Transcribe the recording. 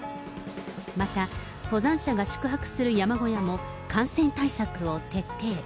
また登山者が宿泊する山小屋も感染対策を徹底。